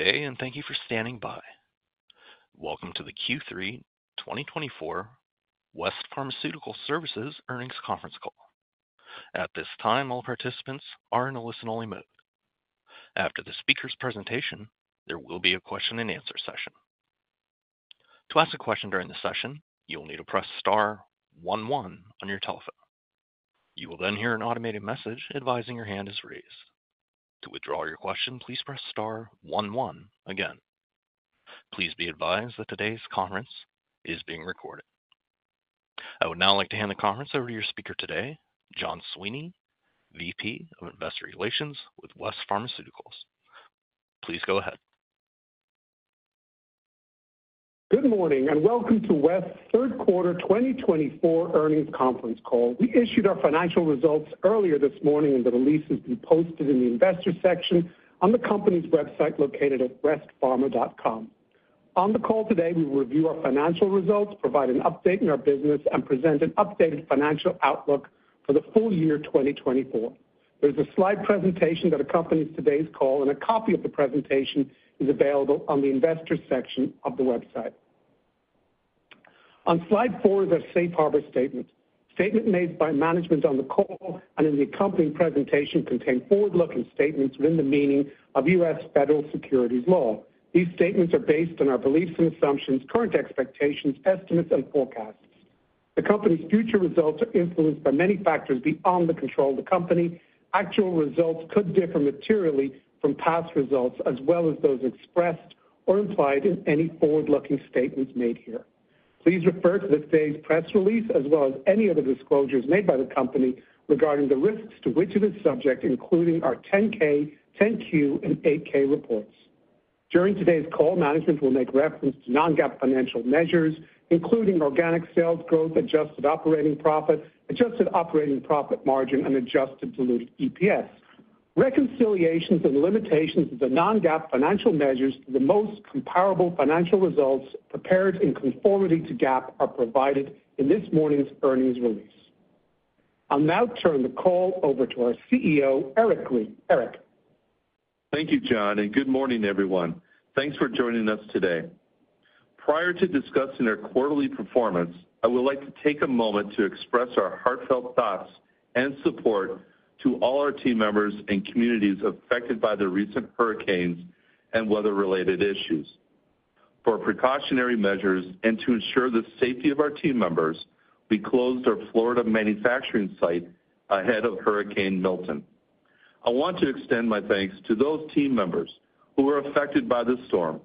Good day, and thank you for standing by. Welcome to the Q3 2024 West Pharmaceutical Services Earnings Conference Call. At this time, all participants are in a listen-only mode. After the speaker's presentation, there will be a question-and-answer session. To ask a question during the session, you will need to press star one one on your telephone. You will then hear an automated message advising your hand is raised. To withdraw your question, please press star one one again. Please be advised that today's conference is being recorded. I would now like to hand the conference over to your speaker today, John Sweeney, VP of Investor Relations with West Pharmaceutical Services. Please go ahead. Good morning, and welcome to West's third quarter 2024 Earnings Conference Call. We issued our financial results earlier this morning, and the release has been posted in the investor section on the company's website, located at westpharma.com. On the call today, we will review our financial results, provide an update in our business, and present an updated financial outlook for the full year 2024. There's a slide presentation that accompanies today's call, and a copy of the presentation is available on the investors section of the website. On slide four is our safe harbor statement. Statement made by management on the call and in the accompanying presentation contain forward-looking statements within the meaning of U.S. Federal Securities law. These statements are based on our beliefs and assumptions, current expectations, estimates, and forecasts. The company's future results are influenced by many factors beyond the control of the company. Actual results could differ materially from past results, as well as those expressed or implied in any forward-looking statements made here. Please refer to today's press release, as well as any other disclosures made by the company regarding the risks to which it is subject, including our 10-K, 10-Q, and 8-K reports. During today's call, management will make reference to non-GAAP financial measures, including organic sales growth, adjusted operating profit, adjusted operating profit margin, and adjusted diluted EPS. Reconciliations and limitations of the non-GAAP financial measures to the most comparable financial results prepared in conformity to GAAP are provided in this morning's earnings release. I'll now turn the call over to our CEO, Eric Green. Eric? Thank you, John, and good morning, everyone. Thanks for joining us today. Prior to discussing our quarterly performance, I would like to take a moment to express our heartfelt thoughts and support to all our team members and communities affected by the recent hurricanes and weather-related issues. For precautionary measures and to ensure the safety of our team members, we closed our Florida manufacturing site ahead of Hurricane Milton. I want to extend my thanks to those team members who were affected by this storm,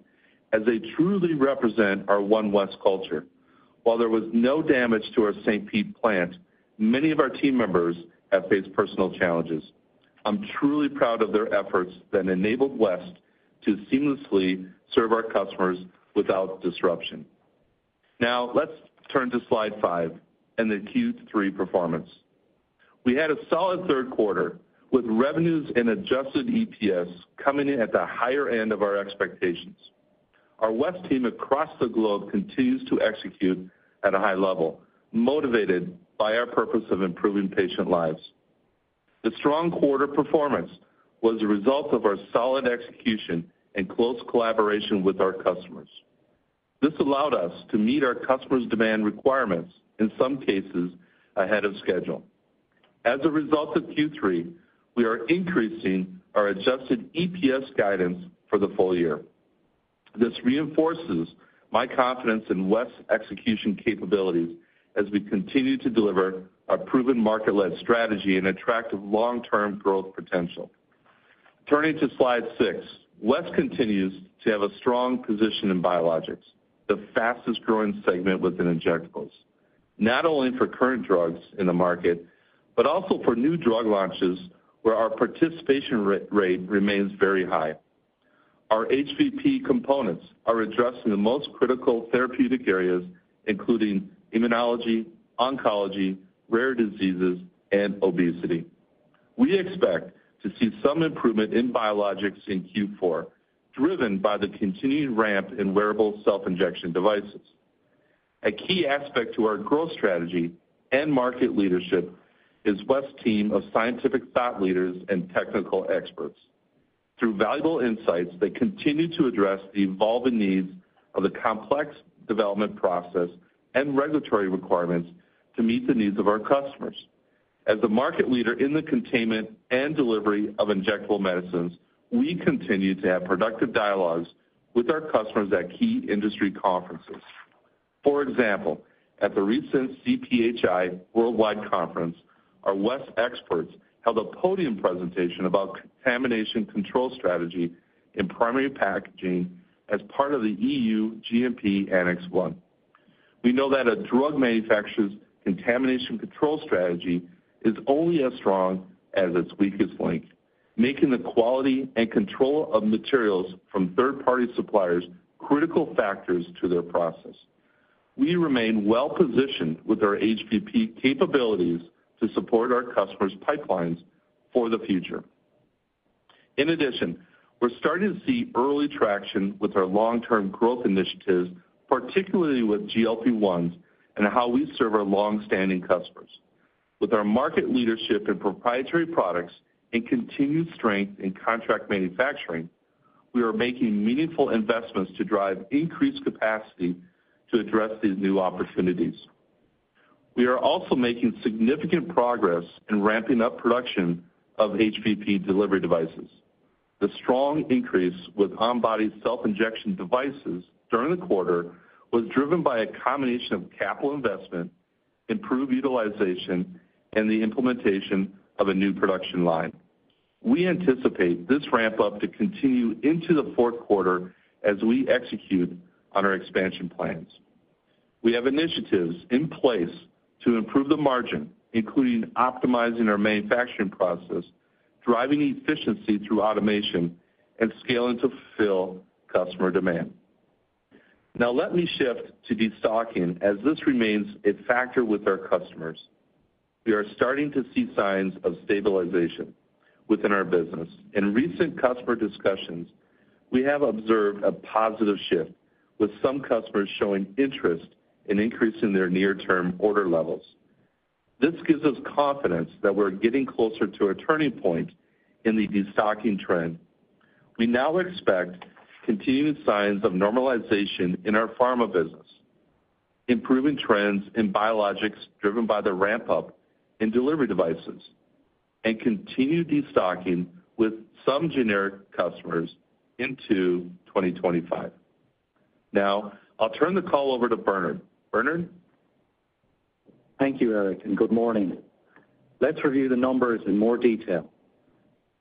as they truly represent our One West culture. While there was no damage to our St. Pete plant, many of our team members have faced personal challenges. I'm truly proud of their efforts that enabled West to seamlessly serve our customers without disruption. Now, let's turn to slide five and the Q3 performance. We had a solid third quarter, with revenues and adjusted EPS coming in at the higher end of our expectations. Our West team across the globe continues to execute at a high level, motivated by our purpose of improving patient lives. The strong quarter performance was a result of our solid execution and close collaboration with our customers. This allowed us to meet our customers' demand requirements, in some cases, ahead of schedule. As a result of Q3, we are increasing our adjusted EPS guidance for the full year. This reinforces my confidence in West's execution capabilities as we continue to deliver our proven market-led strategy and attractive long-term growth potential. Turning to slide six, West continues to have a strong position in biologics, the fastest-growing segment within injectables, not only for current drugs in the market, but also for new drug launches, where our participation re-rate remains very high. Our HVP components are addressed in the most critical therapeutic areas, including immunology, oncology, rare diseases, and obesity. We expect to see some improvement in biologics in Q4, driven by the continued ramp in wearable self-injection devices. A key aspect to our growth strategy and market leadership is West's team of scientific thought leaders and technical experts. Through valuable insights, they continue to address the evolving needs of the complex development process and regulatory requirements to meet the needs of our customers. As the market leader in the containment and delivery of injectable medicines, we continue to have productive dialogues with our customers at key industry conferences. For example, at the recent CPHI Worldwide Conference, our West experts held a podium presentation about contamination control strategy in primary packaging as part of the EU GMP Annex 1. We know that a drug manufacturer's contamination control strategy is only as strong as its weakest link, making the quality and control of materials from third-party suppliers critical factors to their process. We remain well positioned with our HVP capabilities to support our customers' pipelines for the future. In addition, we're starting to see early traction with our long-term growth initiatives, particularly with GLP-1s and how we serve our long-standing customers.... With our market leadership in proprietary products and continued strength in contract manufacturing, we are making meaningful investments to drive increased capacity to address these new opportunities. We are also making significant progress in ramping up production of HVP delivery devices. The strong increase with on-body self-injection devices during the quarter was driven by a combination of capital investment, improved utilization, and the implementation of a new production line. We anticipate this ramp-up to continue into the fourth quarter as we execute on our expansion plans. We have initiatives in place to improve the margin, including optimizing our manufacturing process, driving efficiency through automation, and scaling to fulfill customer demand. Now let me shift to destocking, as this remains a factor with our customers. We are starting to see signs of stabilization within our business. In recent customer discussions, we have observed a positive shift, with some customers showing interest in increasing their near-term order levels. This gives us confidence that we're getting closer to a turning point in the destocking trend. We now expect continued signs of normalization in our pharma business, improving trends in biologics driven by the ramp-up in delivery devices, and continued destocking with some generic customers into 2025. Now, I'll turn the call over to Bernard. Bernard? Thank you, Eric, and good morning. Let's review the numbers in more detail.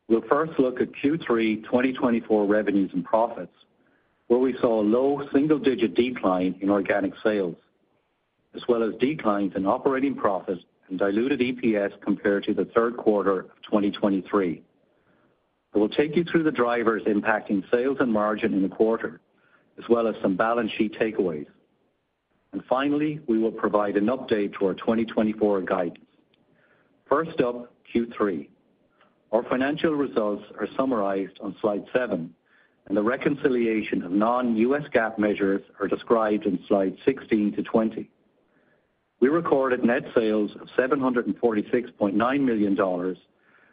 We'll first look at Q3 2024 revenues and profits, where we saw a low single-digit decline in organic sales, as well as declines in operating profits and diluted EPS compared to the third quarter of 2023. I will take you through the drivers impacting sales and margin in the quarter, as well as some balance sheet takeaways. And finally, we will provide an update to our 2024 guidance. First up, Q3. Our financial results are summarized on slide seven, and the reconciliation of non-GAAP measures are described in Slides 16 to 20. We recorded net sales of $746.9 million,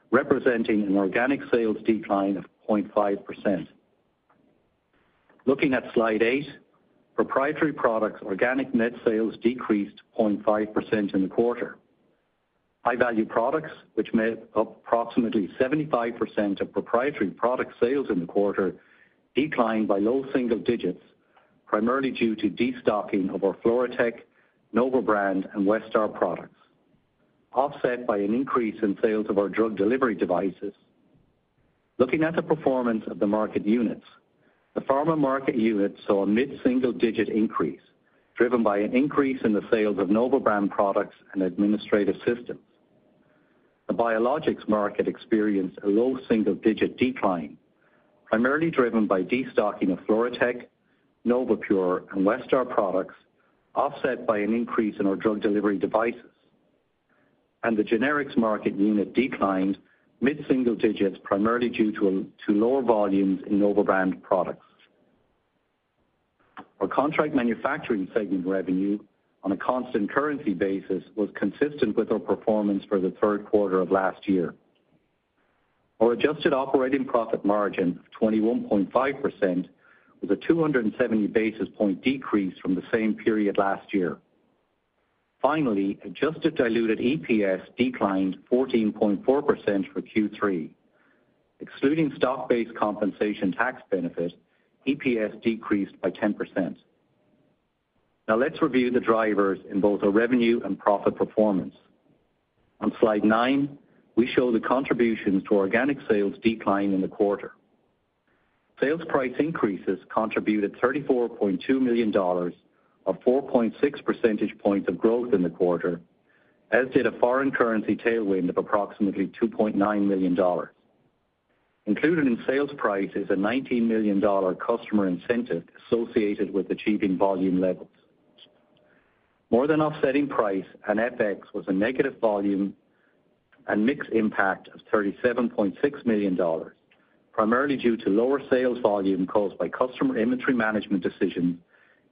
representing an organic sales decline of 0.5%. Looking at Slide eight, proprietary products, organic net sales decreased 0.5% in the quarter. High-value products, which made up approximately 75% of proprietary product sales in the quarter, declined by low single digits, primarily due to destocking of our FluroTec, Nova brand, and Westar products, offset by an increase in sales of our drug delivery devices. Looking at the performance of the market units, the pharma market unit saw a mid-single-digit increase, driven by an increase in the sales of Nova brand products and administrative systems. The biologics market experienced a low single-digit decline, primarily driven by destocking of FluroTec, NovaPure, and Westar products, offset by an increase in our drug delivery devices, and the generics market unit declined mid-single digits, primarily due to lower volumes in Nova brand products. Our contract manufacturing segment revenue, on a constant currency basis, was consistent with our performance for the third quarter of last year. Our adjusted operating profit margin of 21.5% was a 270 basis point decrease from the same period last year. Finally, adjusted diluted EPS declined 14.4% for Q3. Excluding stock-based compensation tax benefit, EPS decreased by 10%. Now let's review the drivers in both our revenue and profit performance. On slide nine, we show the contributions to organic sales decline in the quarter. Sales price increases contributed $34.2 million, or 4.6 percentage points of growth in the quarter, as did a foreign currency tailwind of approximately $2.9 million. Included in sales price is a $19 million customer incentive associated with achieving volume levels. More than offsetting price and FX was a negative volume and mix impact of $37.6 million, primarily due to lower sales volume caused by customer inventory management decisions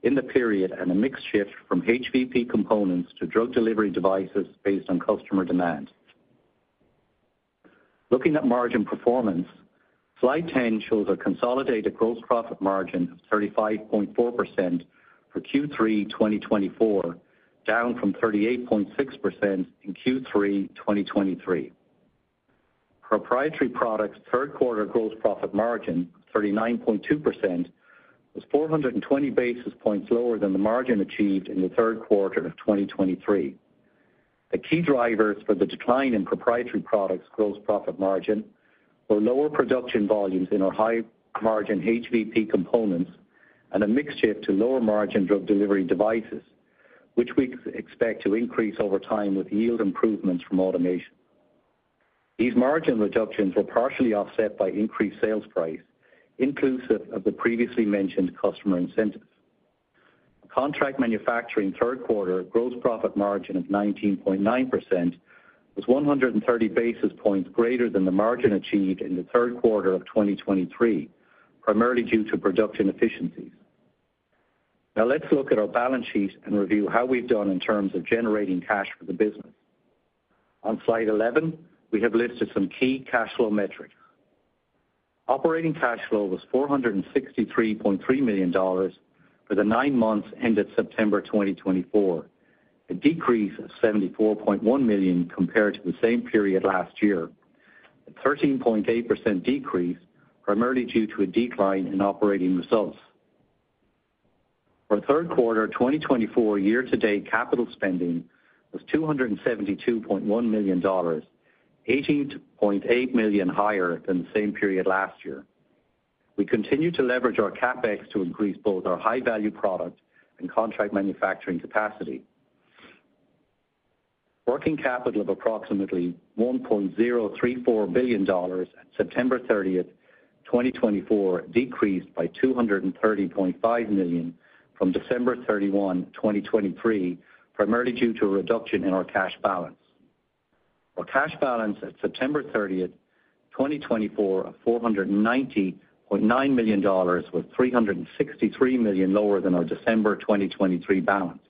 in the period and a mix shift from HVP components to drug delivery devices based on customer demand. Looking at margin performance, Slide 10 shows a consolidated gross profit margin of 35.4% for Q3 2024, down from 38.6% in Q3 2023. Proprietary products' third quarter gross profit margin, 39.2%, was 420 basis points lower than the margin achieved in the third quarter of 2023. The key drivers for the decline in proprietary products' gross profit margin were lower production volumes in our high-margin HVP components and a mix shift to lower-margin drug delivery devices, which we expect to increase over time with yield improvements from automation. These margin reductions were partially offset by increased sales price, inclusive of the previously mentioned customer incentives. Contract manufacturing third quarter gross profit margin of 19.9% was 130 basis points greater than the margin achieved in the third quarter of 2023, primarily due to production efficiencies. Now let's look at our balance sheet and review how we've done in terms of generating cash for the business. On Slide 11, we have listed some key cash flow metrics. Operating cash flow was $463.3 million for the nine months ended September 2024, a decrease of $74.1 million compared to the same period last year. A 13.8% decrease, primarily due to a decline in operating results. For third quarter 2024, year-to-date capital spending was $272.1 million, $18.8 million higher than the same period last year. We continue to leverage our CapEx to increase both our high-value product and contract manufacturing capacity. Working capital of approximately $1.034 billion at September 30th, 2024, decreased by $230.5 million from December 31, 2023, primarily due to a reduction in our cash balance. Our cash balance at September 30th, 2024, of $490.9 million, was $363 million lower than our December 2023 balance.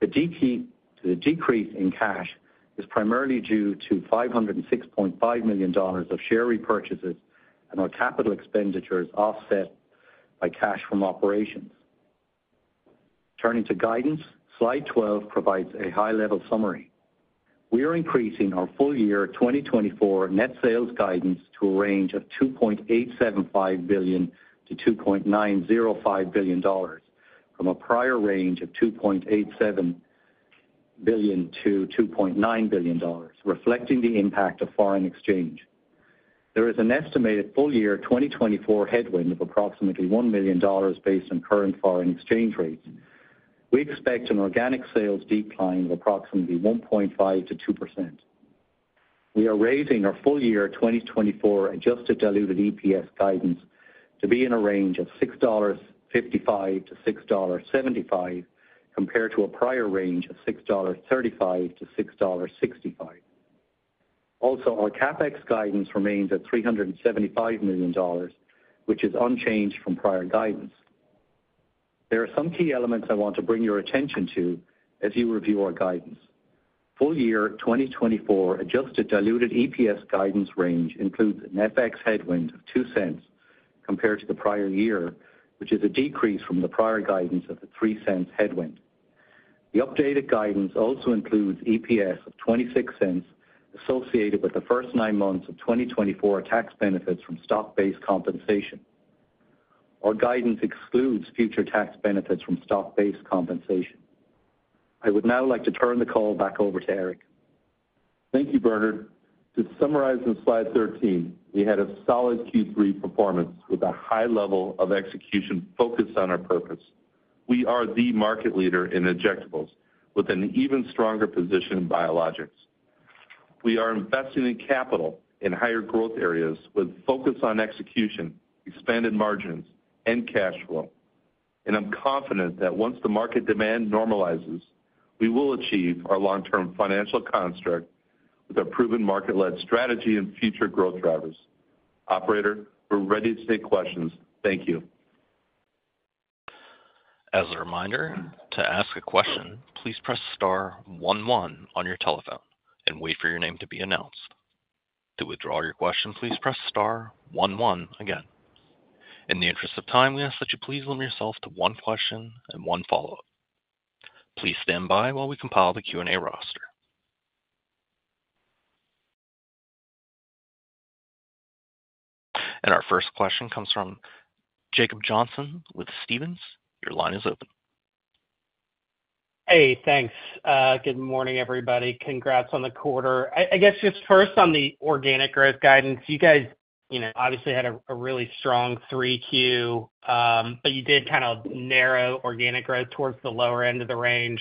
The decrease in cash is primarily due to $506.5 million of share repurchases and our capital expenditures, offset by cash from operations. Turning to guidance, Slide 12 provides a high-level summary. We are increasing our full year 2024 net sales guidance to a range of $2.875 billion-$2.905 billion, from a prior range of $2.87 billion-$2.9 billion, reflecting the impact of foreign exchange. There is an estimated full year 2024 headwind of approximately $1 million based on current foreign exchange rates. We expect an organic sales decline of approximately 1.5%-2%. We are raising our full year 2024 adjusted diluted EPS guidance to be in a range of $6.55-$6.75, compared to a prior range of $6.35-$6.65. Also, our CapEx guidance remains at $375 million, which is unchanged from prior guidance. There are some key elements I want to bring your attention to as you review our guidance. Full year 2024 Adjusted Diluted EPS guidance range includes an FX headwind of $0.02 compared to the prior year, which is a decrease from the prior guidance of the $0.03 headwind. The updated guidance also includes EPS of $0.26 associated with the first nine months of 2024 tax benefits from stock-based compensation. Our guidance excludes future tax benefits from stock-based compensation. I would now like to turn the call back over to Eric. Thank you, Bernard. To summarize, in Slide 13, we had a solid Q3 performance with a high level of execution focused on our purpose. We are the market leader in injectables with an even stronger position in biologics. We are investing in capital in higher growth areas with focus on execution, expanded margins, and cash flow, and I'm confident that once the market demand normalizes, we will achieve our long-term financial construct with our proven market-led strategy and future growth drivers. Operator, we're ready to take questions. Thank you. As a reminder, to ask a question, please press star one one on your telephone and wait for your name to be announced. To withdraw your question, please press star one one again. In the interest of time, we ask that you please limit yourself to one question and one follow-up. Please stand by while we compile the Q&A roster, and our first question comes from Jacob Johnson with Stephens. Your line is open. Hey, thanks. Good morning, everybody. Congrats on the quarter. I guess, just first on the organic growth guidance, you guys, you know, obviously had a really strong 3Q, but you did kind of narrow organic growth towards the lower end of the range.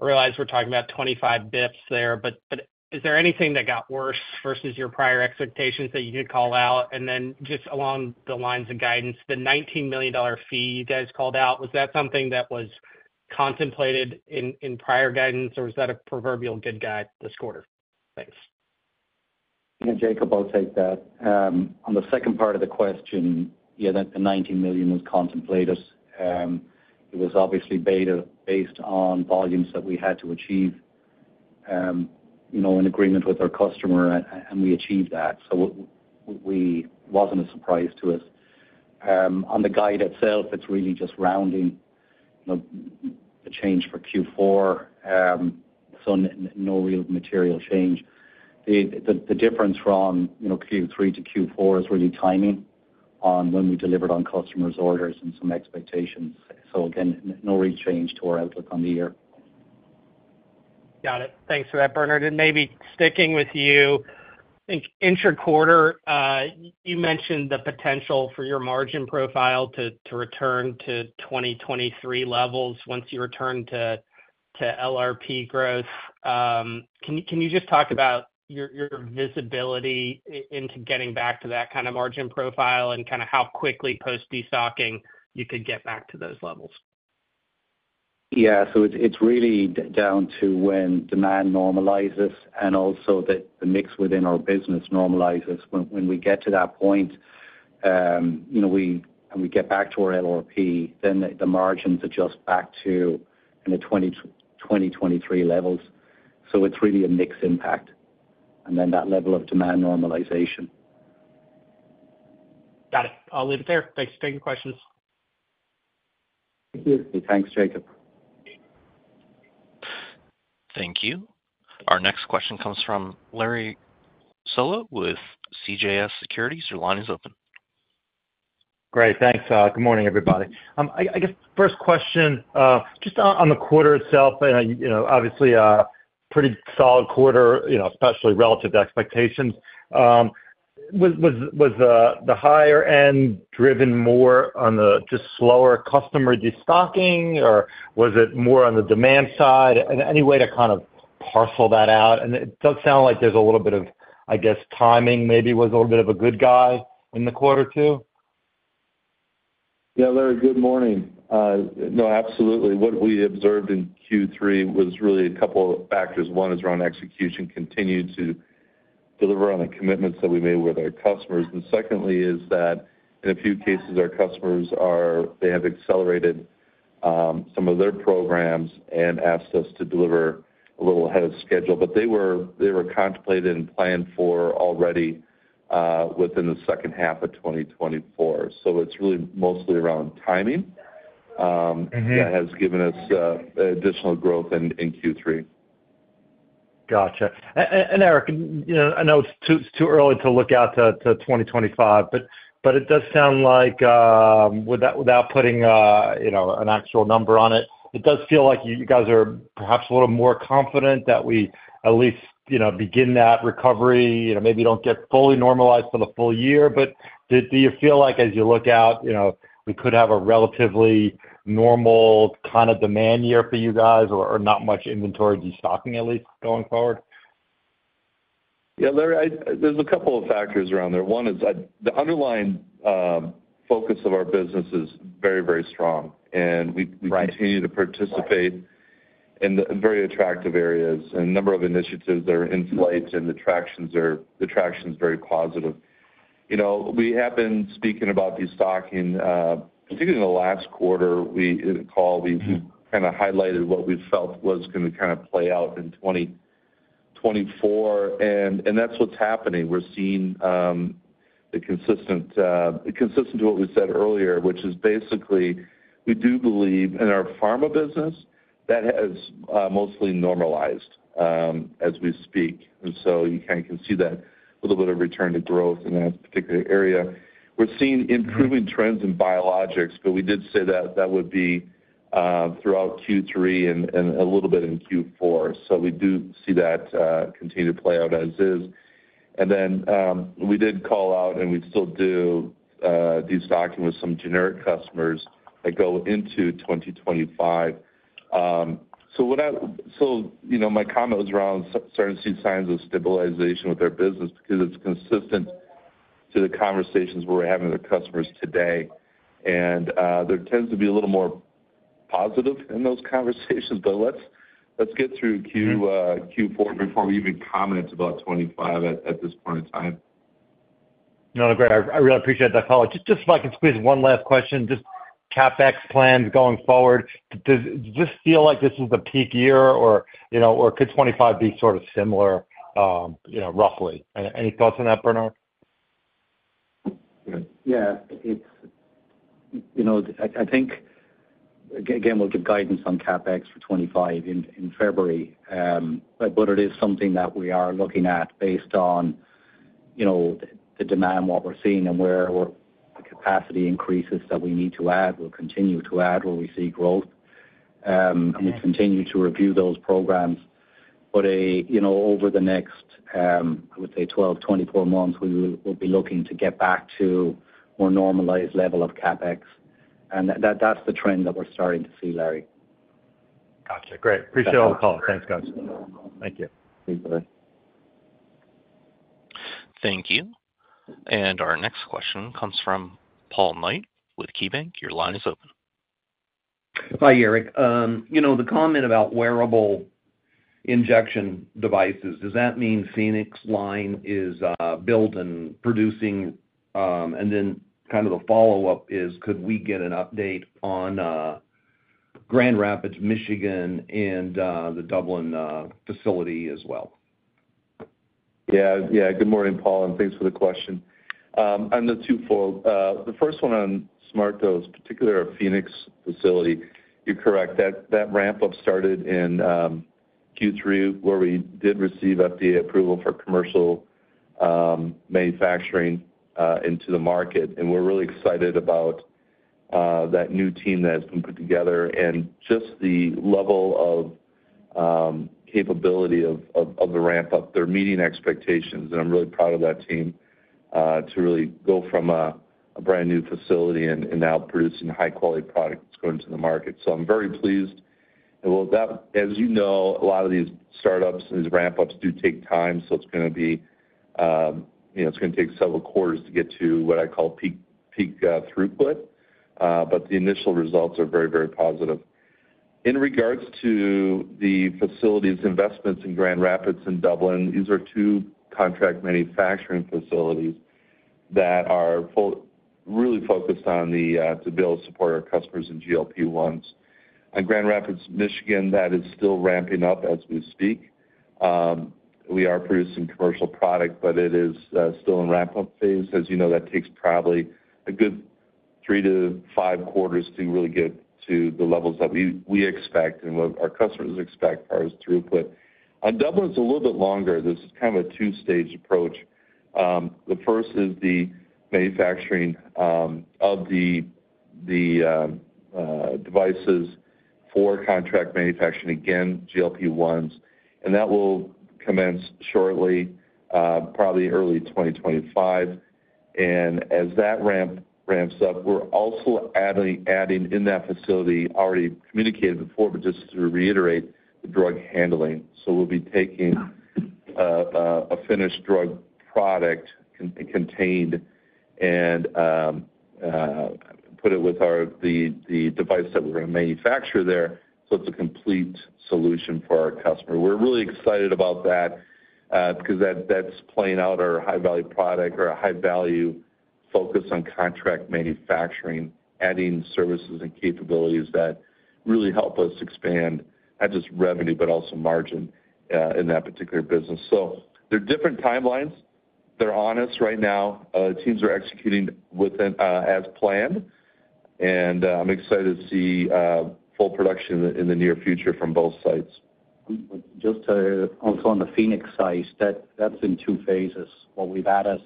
I realize we're talking about 25 basis points there, but is there anything that got worse versus your prior expectations that you could call out? And then just along the lines of guidance, the $19 million fee you guys called out, was that something that was contemplated in prior guidance, or was that a proverbial good guide this quarter? Thanks. Yeah, Jacob, I'll take that. On the second part of the question, yeah, that the 19 million was contemplated. It was obviously rebate based on volumes that we had to achieve, you know, in agreement with our customer, and we achieved that, so it wasn't a surprise to us. On the guide itself, it's really just rounding, you know, the change for Q4, so no real material change. The difference from, you know, Q3 to Q4 is really timing on when we delivered on customers' orders and some expectations. So again, no real change to our outlook on the year. Got it. Thanks for that, Bernard. And maybe sticking with you, I think interquarter you mentioned the potential for your margin profile to return to 2023 levels once you return to LRP growth. Can you just talk about your visibility into getting back to that kind of margin profile and kind of how quickly post-destocking you could get back to those levels?... Yeah, so it's really down to when demand normalizes and also that the mix within our business normalizes. When we get to that point, you know, we get back to our LRP, then the margins adjust back to the 2022, 2023 levels. So it's really a mix impact, and then that level of demand normalization. Got it. I'll leave it there. Thanks for taking questions. Thank you. Thanks, Jacob. Thank you. Our next question comes from Larry Solow with CJS Securities. Your line is open. Great, thanks. Good morning, everybody. I guess first question, just on the quarter itself, and, you know, obviously, a pretty solid quarter, you know, especially relative to expectations. Was the higher end driven more on the just slower customer destocking, or was it more on the demand side? Any way to kind of parcel that out? And it does sound like there's a little bit of, I guess, timing maybe was a little bit of a good guy in the quarter, too. Yeah, Larry, good morning. No, absolutely. What we observed in Q3 was really a couple of factors. One is around execution, continued to deliver on the commitments that we made with our customers. And secondly is that in a few cases, our customers are, they have accelerated some of their programs and asked us to deliver a little ahead of schedule. But they were contemplated and planned for already within the second half of twenty twenty-four. So it's really mostly around timing. Mm-hmm... that has given us additional growth in Q3. Gotcha. And Eric, you know, I know it's too early to look out to 2025, but it does sound like, without putting, you know, an actual number on it, it does feel like you guys are perhaps a little more confident that we at least begin that recovery. You know, maybe you don't get fully normalized for the full year, but do you feel like as you look out, you know, we could have a relatively normal kind of demand year for you guys or not much inventory destocking, at least going forward? Yeah, Larry, there's a couple of factors around there. One is that the underlying focus of our business is very, very strong, and we- Right... we continue to participate in the very attractive areas, and a number of initiatives that are in flight, and the tractions are, the traction is very positive. You know, we have been speaking about destocking. I think in the last quarter, we in a call, we kind of highlighted what we felt was gonna kind of play out in 2024, and that's what's happening. We're seeing the consistent, consistent to what we said earlier, which is basically, we do believe in our pharma business, that has mostly normalized, as we speak. And so you kind of can see that a little bit of return to growth in that particular area. We're seeing improving trends in biologics, but we did say that that would be throughout Q3 and a little bit in Q4. So we do see that continue to play out as is. And then, we did call out, and we still do, destocking with some generic customers that go into 2025. You know, my comment was around starting to see signs of stabilization with our business because it's consistent to the conversations we're having with our customers today. And there tends to be a little more positive in those conversations, but let's get through Q4 before we even comment about 2025 at this point in time. No, great. I really appreciate that call. Just if I can squeeze one last question, just CapEx plans going forward. Does this feel like this is the peak year or, you know, or could 2025 be sort of similar, you know, roughly? Any thoughts on that, Bernard? Yeah, you know, I think again, we'll give guidance on CapEx for 2025 in February, but it is something that we are looking at based on, you know, the demand, what we're seeing and the capacity increases that we need to add. We'll continue to add where we see growth. We continue to review those programs, but, you know, over the next, I would say 12-24 months, we'll be looking to get back to more normalized level of CapEx, and that's the trend that we're starting to see, Larry. Gotcha. Great. Appreciate the call. Thanks, guys. Thank you. Thanks, Larry. Thank you. And our next question comes from Paul Knight with KeyBanc. Your line is open. Hi, Eric. You know, the comment about wearable injection devices, does that mean Phoenix line is built and producing? And then kind of the follow-up is, could we get an update on Grand Rapids, Michigan, and the Dublin facility as well? Yeah, yeah. Good morning, Paul, and thanks for the question. On the twofold, the first one on SmartDose, particularly our Phoenix facility, you're correct. That ramp-up started in Q3, where we did receive FDA approval for commercial manufacturing into the market, and we're really excited about that new team that has been put together and just the level of capability of the ramp-up. They're meeting expectations, and I'm really proud of that team to really go from a brand-new facility and now producing high-quality products going to the market. So I'm very pleased. And well, that, as you know, a lot of these startups and these ramp-ups do take time, so it's gonna be-... You know, it's gonna take several quarters to get to what I call peak throughput, but the initial results are very, very positive. In regards to the facilities investments in Grand Rapids and Dublin, these are two contract manufacturing facilities that are really focused on the to be able to support our customers in GLP-1s. On Grand Rapids, Michigan, that is still ramping up as we speak. We are producing commercial product, but it is still in ramp-up phase. As you know, that takes probably a good three to five quarters to really get to the levels that we expect and what our customers expect as far as throughput. On Dublin, it's a little bit longer. This is kind of a two-stage approach. The first is the manufacturing of the devices for contract manufacturing, again, GLP-1s, and that will commence shortly, probably early 2025. As that ramps up, we're also adding in that facility, already communicated before, but just to reiterate, the drug handling. So we'll be taking a finished drug product contained and put it with the device that we're gonna manufacture there, so it's a complete solution for our customer. We're really excited about that, because that's playing out our high-value product or our high-value focus on contract manufacturing, adding services and capabilities that really help us expand, not just revenue, but also margin, in that particular business. So they're different timelines. They're on us right now. Teams are executing within as planned, and I'm excited to see full production in the near future from both sites. Just to also on the Phoenix site, that's in two phases. What we've added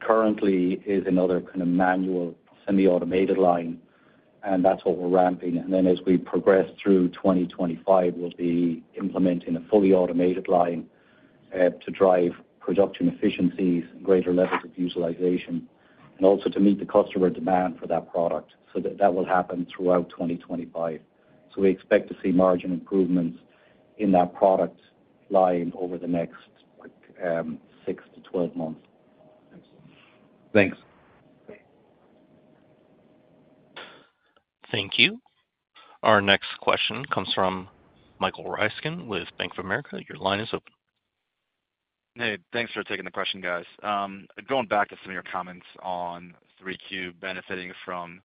currently is another kind of manual, semi-automated line, and that's what we're ramping. And then as we progress through 2025, we'll be implementing a fully automated line to drive production efficiencies and greater levels of utilization, and also to meet the customer demand for that product. So that will happen throughout 2025. So we expect to see margin improvements in that product line over the next six to 12 months. Thanks. Thanks. Thank you. Our next question comes from Michael Ryskin with Bank of America. Your line is open. Hey, thanks for taking the question, guys. Going back to some of your comments on 3Q benefiting from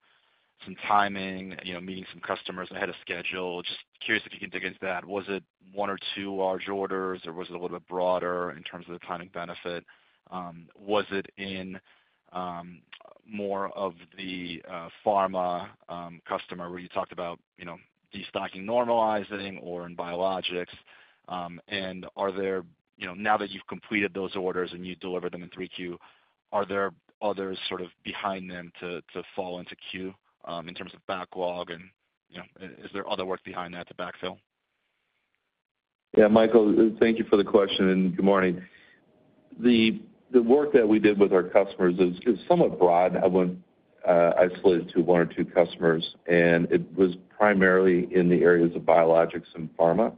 some timing, you know, meeting some customers ahead of schedule, just curious if you can dig into that. Was it one or two large orders, or was it a little bit broader in terms of the timing benefit? Was it in more of the pharma customer, where you talked about, you know, destocking normalizing or in biologics? And are there, you know, now that you've completed those orders and you delivered them in 3Q, are there others sort of behind them to fall into queue, in terms of backlog and, you know, is there other work behind that to backfill? Yeah, Michael, thank you for the question, and good morning. The work that we did with our customers is somewhat broad. I wouldn't isolate it to one or two customers, and it was primarily in the areas of biologics and pharma.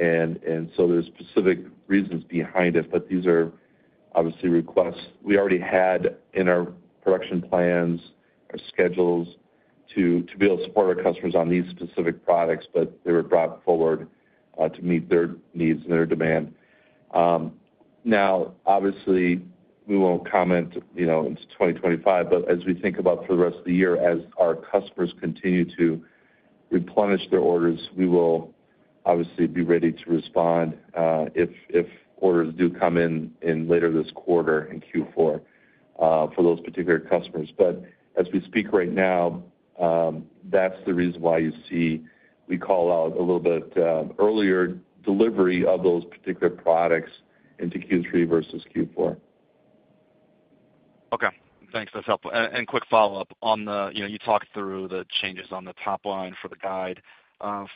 And so there's specific reasons behind it, but these are obviously requests we already had in our production plans, our schedules, to be able to support our customers on these specific products, but they were brought forward to meet their needs and their demand. Now, obviously, we won't comment, you know, into twenty twenty-five, but as we think about for the rest of the year, as our customers continue to replenish their orders, we will obviously be ready to respond if orders do come in later this quarter in Q4 for those particular customers. But as we speak right now, that's the reason why you see we call out a little bit, earlier delivery of those particular products into Q3 versus Q4. Okay, thanks. That's helpful. And quick follow-up. On the, you know, you talked through the changes on the top line for the guide.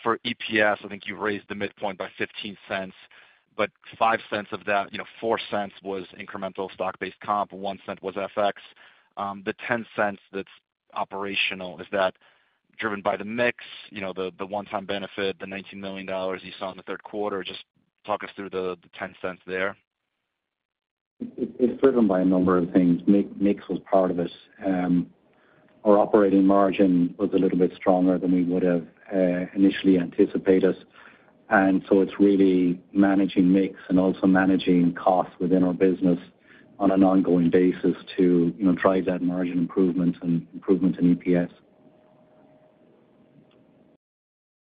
For EPS, I think you've raised the midpoint by $0.15, but $0.05 of that, you know, $0.04 was incremental stock-based comp, $0.01 was FX. The $0.10 that's operational, is that driven by the mix, you know, the one-time benefit, the $19 million you saw in the third quarter? Just talk us through the ten cents there. It's driven by a number of things. Mix was part of this. Our operating margin was a little bit stronger than we would have initially anticipated, and so it's really managing mix and also managing costs within our business on an ongoing basis to, you know, drive that margin improvement and improvement in EPS.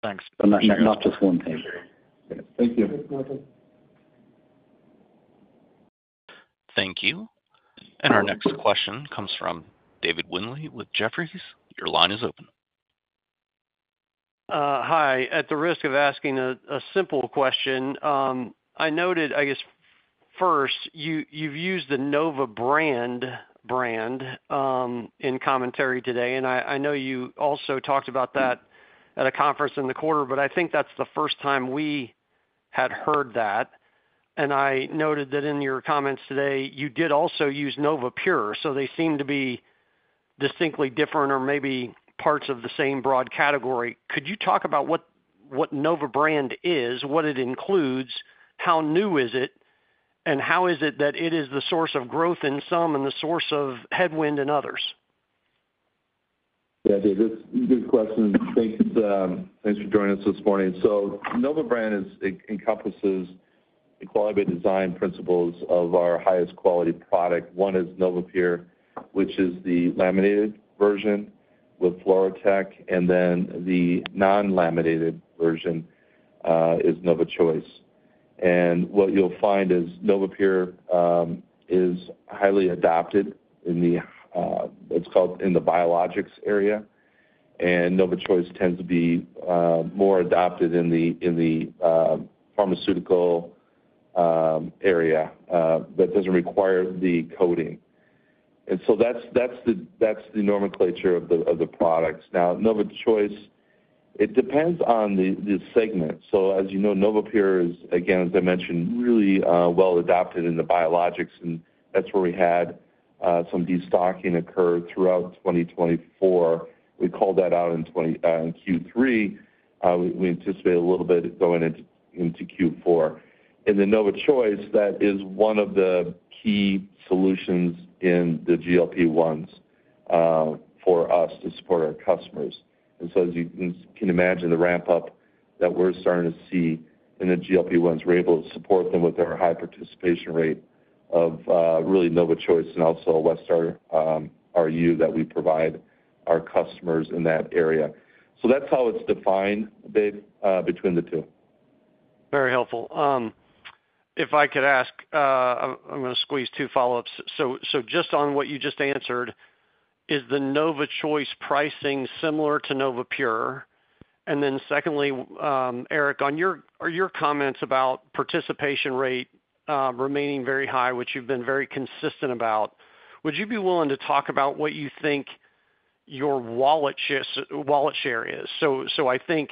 Thanks. Not just one thing. Thank you. Thanks, Michael. Thank you, and our next question comes from David Windley with Jefferies. Your line is open. Hi. At the risk of asking a simple question, I noted, I guess, first, you've used the Nova brand in commentary today, and I know you also talked about that at a conference in the quarter, but I think that's the first time we had heard that. I noted that in your comments today, you did also use NovaPure, so they seem to be distinctly different or maybe parts of the same broad category. Could you talk about what Nova brand is, what it includes, how new is it, and how is it that it is the source of growth in some and the source of headwind in others? Yeah, David, good question. Thanks, thanks for joining us this morning. So Nova brand is, encompasses the Quality by Design principles of our highest quality product. One is NovaPure, which is the laminated version with FluroTec, and then the non-laminated version, is NovaChoice. And what you'll find is NovaPure, is highly adopted in the, what's called in the biologics area, and NovaChoice tends to be, more adopted in the, in the, pharmaceutical, area, that doesn't require the coating. And so that's the nomenclature of the products. Now, NovaChoice, it depends on the segment. So as you know, NovaPure is, again, as I mentioned, really, well adopted in the biologics, and that's where we had, some destocking occur throughout 2024. We called that out in Q3. We anticipate a little bit going into Q4. In the NovaChoice, that is one of the key solutions in the GLP-1s for us to support our customers, and so as you can imagine, the ramp-up that we're starting to see in the GLP-1s, we're able to support them with our high participation rate of really NovaChoice and also Westar RU that we provide our customers in that area, so that's how it's defined, Dave, between the two. Very helpful. If I could ask, I'm gonna squeeze two follow-ups. So just on what you just answered, is the NovaChoice pricing similar to NovaPure? And then secondly, Eric, on your comments about participation rate remaining very high, which you've been very consistent about, would you be willing to talk about what you think your wallet share is? So I think...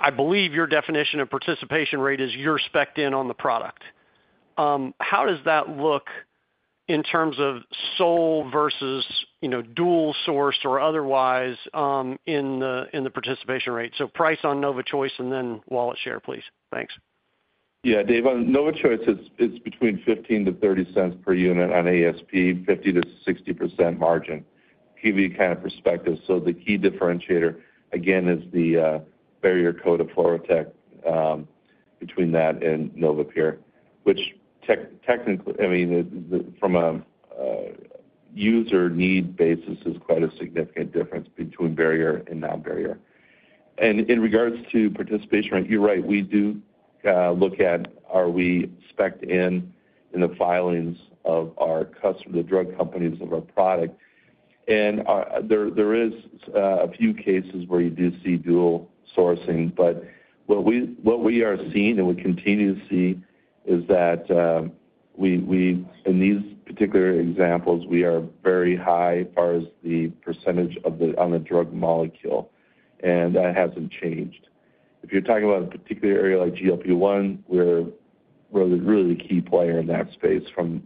I believe your definition of participation rate is you're spec'd in on the product. How does that look in terms of sole versus, you know, dual source or otherwise, in the participation rate? So price on NovaChoice and then wallet share, please. Thanks. Yeah, Dave, on NovaChoice, it's between $0.15-$0.30 per unit on ASP, 50%-60% margin, give you kind of perspective. So the key differentiator, again, is the barrier coat of FluroTec, between that and NovaPure, which technically, I mean, it's the from a user need basis, is quite a significant difference between barrier and non-barrier. And in regards to participation rate, you're right, we do look at are we spec'd in, in the filings of our customer, the drug companies of our product. And there is a few cases where you do see dual sourcing, but what we are seeing, and we continue to see, is that we in these particular examples, we are very high as far as the percentage of the on the drug molecule, and that hasn't changed. If you're talking about a particular area like GLP-1, we're really the key player in that space from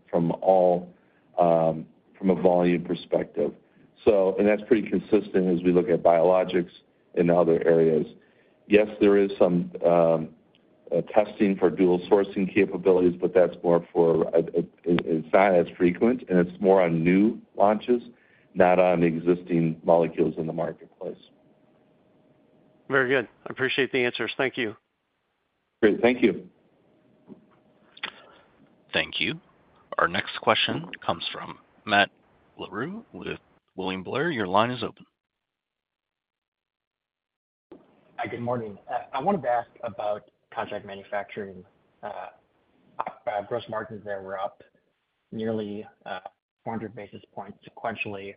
a volume perspective. So, and that's pretty consistent as we look at biologics in other areas. Yes, there is some testing for dual sourcing capabilities, but that's more for it, it's not as frequent, and it's more on new launches, not on existing molecules in the marketplace. Very good. I appreciate the answers. Thank you. Great. Thank you. Thank you. Our next question comes from Matt Larew with William Blair. Your line is open. Hi, good morning. I wanted to ask about contract manufacturing. Gross margins there were up nearly four hundred basis points sequentially.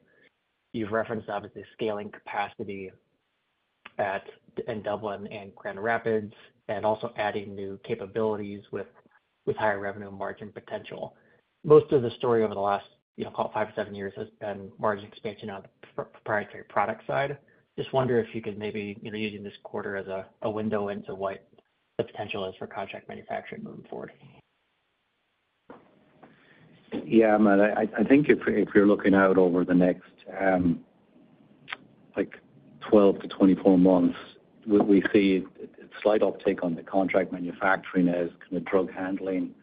You've referenced obviously scaling capacity at in Dublin and Grand Rapids, and also adding new capabilities with higher revenue margin potential. Most of the story over the last, you know, call it five to seven years, has been margin expansion on the proprietary product side. Just wonder if you could maybe, you know, using this quarter as a window into what the potential is for contract manufacturing moving forward? Yeah, Matt, I think if you're looking out over the next, like 12-24 months, we see slight uptake on the contract manufacturing as the drug handling,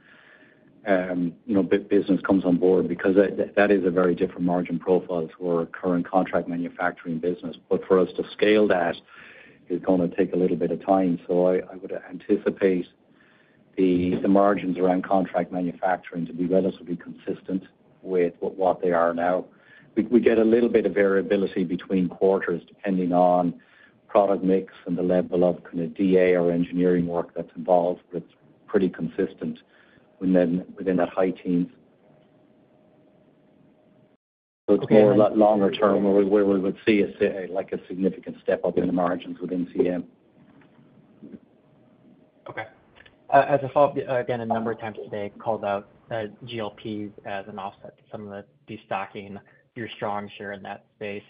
you know, business comes on board. Because that is a very different margin profile to our current contract manufacturing business. But for us to scale that is gonna take a little bit of time. So I would anticipate the margins around contract manufacturing to be relatively consistent with what they are now. We get a little bit of variability between quarters, depending on product mix and the level of kind of DA or engineering work that's involved, but it's pretty consistent within that high teens. So it's more longer term where we would see like, a significant step up in the margins within CM. Okay. As a follow-up, again, a number of times today, called out, GLP as an offset to some of the destocking, your strong share in that space.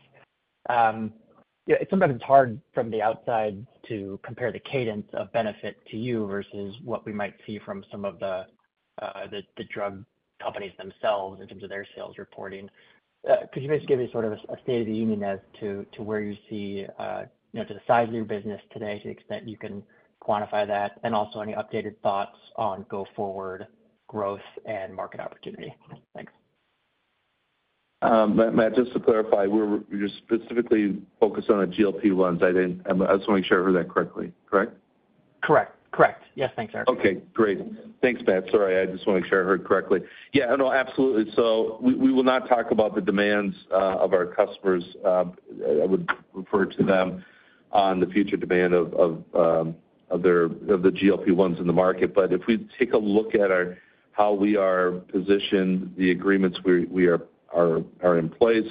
Yeah, sometimes it's hard from the outside to compare the cadence of benefit to you versus what we might see from some of the, the drug companies themselves in terms of their sales reporting. Could you just give me sort of a state of the union as to, to where you see, you know, to the size of your business today, to the extent you can quantify that, and also any updated thoughts on go-forward growth and market opportunity? Thanks. Matt, just to clarify, we're, you're specifically focused on a GLP-1s. I didn't, I just want to make sure I heard that correctly. Correct? Correct. Correct. Yes. Thanks, Eric. Okay, great. Thanks, Matt. Sorry, I just want to make sure I heard correctly. Yeah, no, absolutely. So we will not talk about the demands of our customers. I would refer to them on the future demand of their GLP-1s in the market. But if we take a look at how we are positioned, the agreements we are in place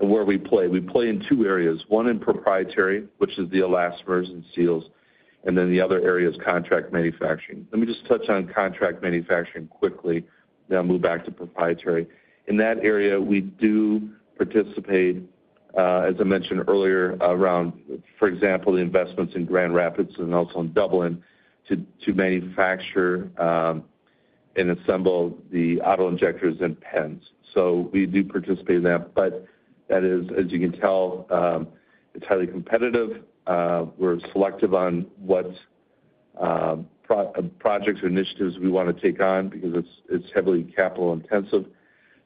and where we play, we play in two areas. One, in proprietary, which is the elastomers and seals, and then the other area is contract manufacturing. Let me just touch on contract manufacturing quickly, then I'll move back to proprietary. In that area, we do participate, as I mentioned earlier, around, for example, the investments in Grand Rapids and also in Dublin, to manufacture and assemble the auto-injectors and pens. So we do participate in that, but that is, as you can tell, it's highly competitive. We're selective on what projects or initiatives we want to take on because it's heavily capital intensive.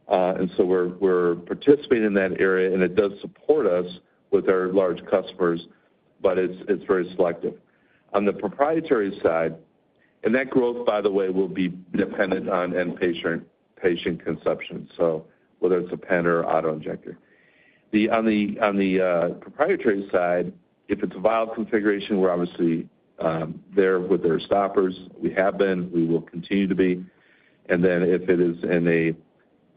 And so we're participating in that area, and it does support us with our large customers, but it's very selective. On the proprietary side, and that growth, by the way, will be dependent on end patient consumption, so whether it's a pen or auto-injector. On the proprietary side, if it's a vial configuration, we're obviously there with their stoppers. We have been, we will continue to be. And then if it is in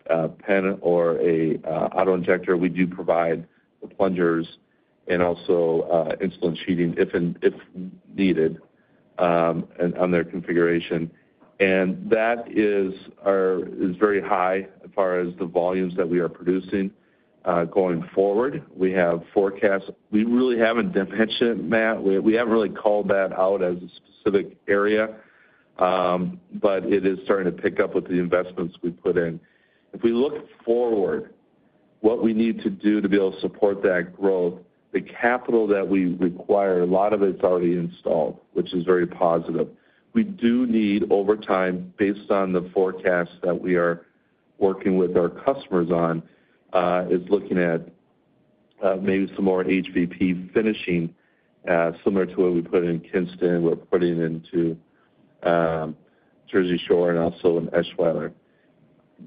a pen or a auto-injector, we do provide the plungers and also insert shielding, if needed, on their configuration. And that is our is very high as far as the volumes that we are producing, going forward. We have forecasts. We really haven't dimensioned, Matt, we haven't really called that out as a specific area, but it is starting to pick up with the investments we put in. If we look forward, what we need to do to be able to support that growth, the capital that we require, a lot of it's already installed, which is very positive. We do need, over time, based on the forecast that we are working with our customers on, is looking at, maybe some more HVP finishing, similar to what we put in Kinston, we're putting into Jersey Shore and also in Eschweiler.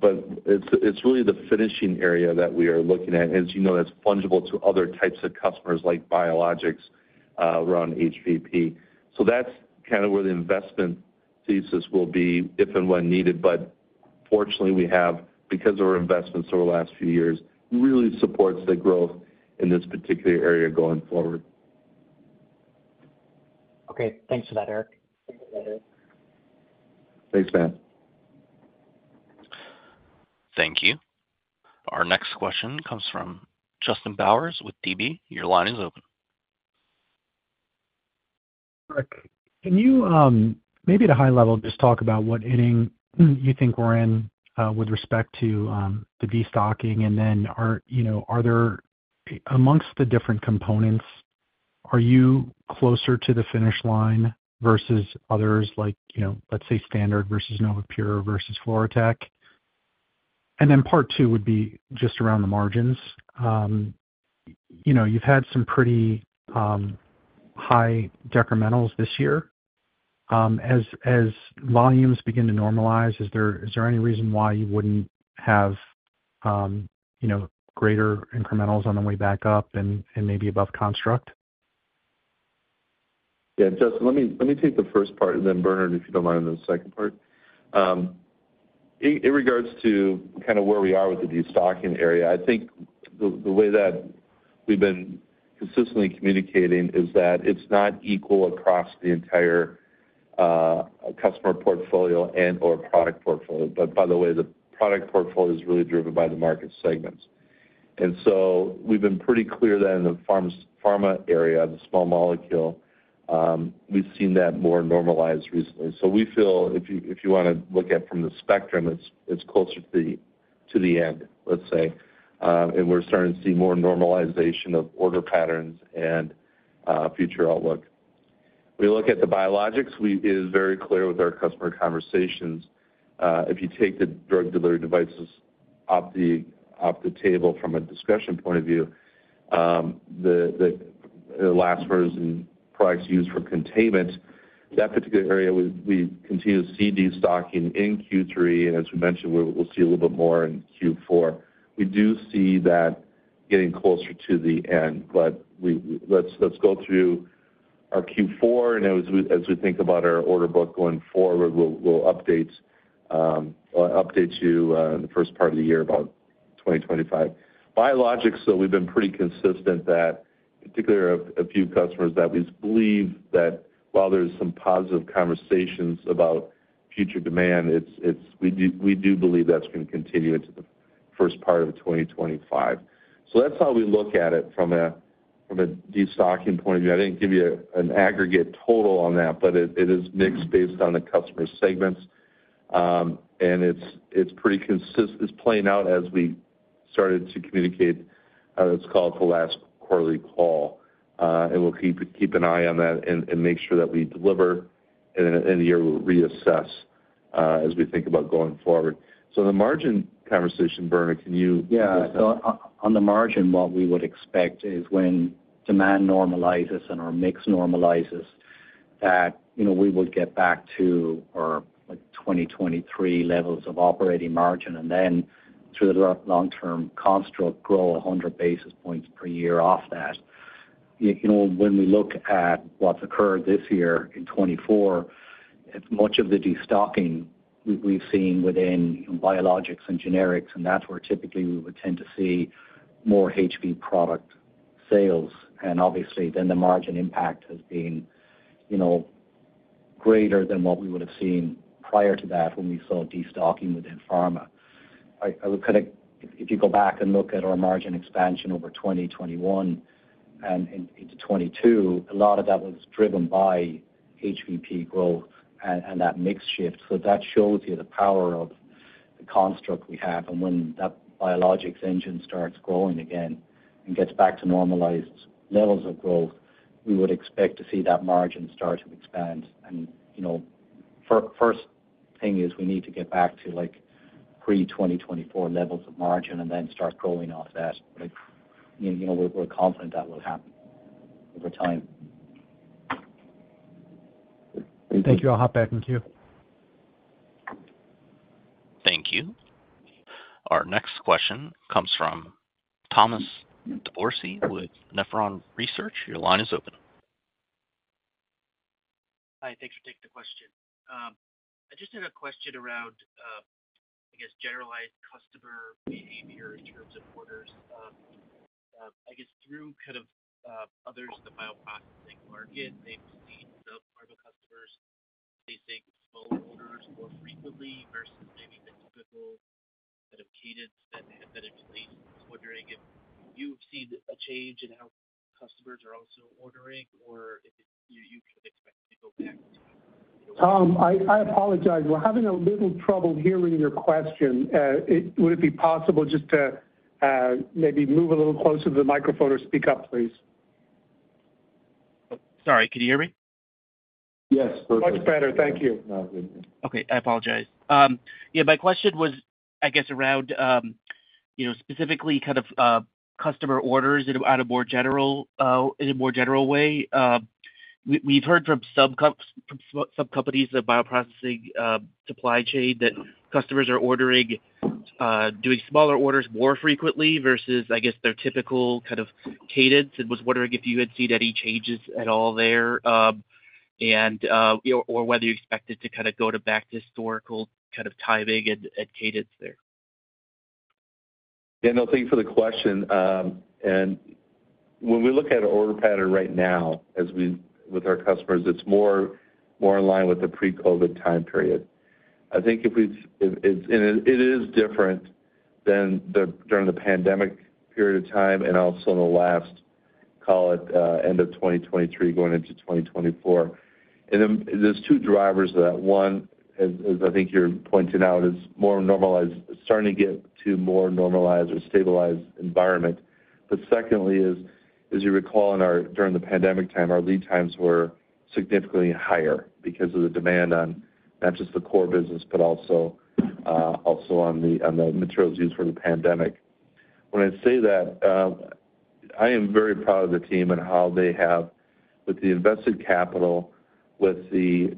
But it's really the finishing area that we are looking at. As you know, that's fungible to other types of customers like biologics, around HVP. So that's kind of where the investment thesis will be if and when needed, but fortunately, we have, because of our investments over the last few years, really supports the growth in this particular area going forward. Okay, thanks for that, Eric. Thanks, Matt. Thank you. Our next question comes from Justin Bowers with DB. Your line is open. Eric, can you maybe at a high level just talk about what inning you think we're in with respect to the destocking? And then, you know, are there amongst the different components—are you closer to the finish line versus others like, you know, let's say, standard versus NovaPure versus FluroTec? And then part two would be just around the margins. You know, you've had some pretty high decrementals this year. As volumes begin to normalize, is there any reason why you wouldn't have, you know, greater incrementals on the way back up and maybe above construct? Yeah, Justin, let me, let me take the first part, and then Bernard, if you don't mind, on the second part. In regards to kind of where we are with the destocking area, I think the way that we've been consistently communicating is that it's not equal across the entire customer portfolio and/or product portfolio. But by the way, the product portfolio is really driven by the market segments. And so we've been pretty clear that in the pharma area, the small molecule, we've seen that more normalized recently. So we feel if you want to look at from the spectrum, it's closer to the end, let's say, and we're starting to see more normalization of order patterns and future outlook. We look at the biologics, we is very clear with our customer conversations. If you take the drug delivery devices off the table from a discussion point of view, the elastomers and products used for containment, that particular area, we continue to see destocking in Q3, and as we mentioned, we'll see a little bit more in Q4. We do see that getting closer to the end, but let's go through our Q4, and as we think about our order book going forward, we'll update you in the first part of the year about 2025. Biologics, so we've been pretty consistent that... Particularly, a few customers that we believe that while there's some positive conversations about future demand, we do believe that's gonna continue into the first part of 2025. So that's how we look at it from a destocking point of view. I didn't give you an aggregate total on that, but it is mixed based on the customer segments. It's playing out as we started to communicate, what's called the last quarterly call. We'll keep an eye on that and make sure that we deliver, and at end of year, we'll reassess as we think about going forward. So the margin conversation, Bernard, can you- Yeah. On the margin, what we would expect is when demand normalizes and our mix normalizes, that, you know, we would get back to our, like, 2023 levels of operating margin, and then through the long-term construct, grow 100 basis points per year off that. You know, when we look at what's occurred this year in 2024, it's much of the destocking we've seen within biologics and generics, and that's where typically we would tend to see more HVP product sales. And obviously, then the margin impact has been, you know, greater than what we would have seen prior to that when we saw destocking within pharma. I would kind of, if you go back and look at our margin expansion over 2021 and into 2022, a lot of that was driven by HVP growth and, and that mix shift. That shows you the power of the construct we have, and when that biologics engine starts growing again and gets back to normalized levels of growth, we would expect to see that margin start to expand. You know, first thing is we need to get back to, like, pre-2024 levels of margin and then start growing off that. You know, we're confident that will happen over time. Thank you. I'll hop back in queue. Thank you. Our next question comes from Thomas DeBourcy with Nephron Research. Your line is open. Hi, thanks for taking the question. I just had a question around, I guess, generalized customer behavior in terms of orders. I guess through kind of, others in the bioprocessing market, they've seen some pharma customers, placing smaller orders more frequently versus maybe the typical kind of cadence that had been in place. I was wondering if you've seen a change in how customers are also ordering or if you expect to go back to- Tom, I apologize. We're having a little trouble hearing your question. Would it be possible just to maybe move a little closer to the microphone or speak up, please? Sorry, can you hear me? Yes, perfect. Much better. Thank you. Okay, I apologize. Yeah, my question was, I guess, around, you know, specifically kind of, customer orders at a more general, in a more general way. We've heard from some companies, the bioprocessing supply chain, that customers are ordering, doing smaller orders more frequently versus, I guess, their typical kind of cadence and was wondering if you had seen any changes at all there, and, or whether you expect it to kind of go to back to historical kind of timing and cadence there? Thomas, thank you for the question, and when we look at our order pattern right now with our customers, it's more in line with the pre-COVID time period. I think it is different than during the pandemic period of time and also in the last, call it end of 2023, going into 2024, and then there's two drivers that one, as I think you're pointing out, is more normalized, starting to get to more normalized or stabilized environment, but secondly is, as you recall, during the pandemic time, our lead times were significantly higher because of the demand on not just the core business, but also on the materials used for the pandemic. When I say that, I am very proud of the team and how they have, with the invested capital, with the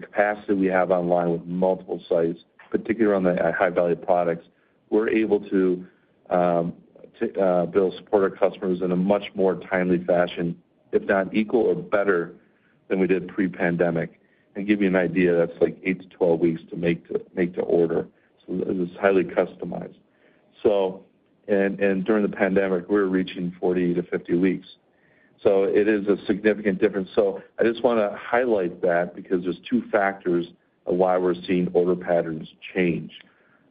capacity we have online with multiple sites, particularly around the high-value products, we're able to build, support our customers in a much more timely fashion, if not equal or better than we did pre-pandemic. And give you an idea, that's like eight to 12 weeks to make to order, so it is highly customized. So. And during the pandemic, we were reaching 40-50 weeks. So it is a significant difference. So I just want to highlight that because there's two factors of why we're seeing order patterns change.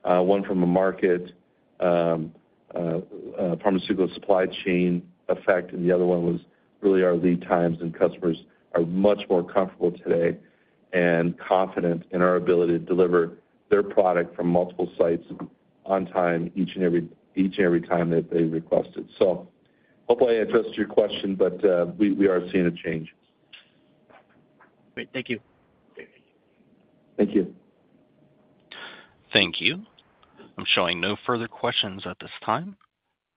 One from the market, pharmaceutical supply chain effect, and the other one was really our lead times, and customers are much more comfortable today and confident in our ability to deliver their product from multiple sites on time, each and every time that they request it. So hopefully, I addressed your question, but we are seeing a change. Great. Thank you. Thank you. Thank you. I'm showing no further questions at this time.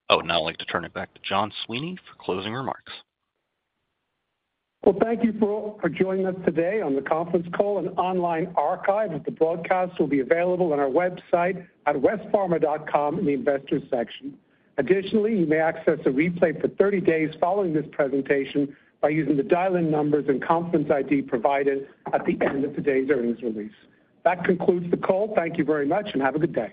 I would now like to turn it back to John Sweeney for closing remarks. Thank you for joining us today on the conference call. An online archive of the broadcast will be available on our website at westpharma.com in the Investors section. Additionally, you may access a replay for thirty days following this presentation by using the dial-in numbers and conference ID provided at the end of today's earnings release. That concludes the call. Thank you very much, and have a good day.